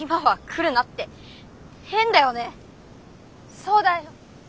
そうだよ。